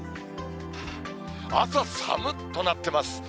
朝さむっとなってます。